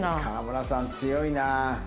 河村さん強いな。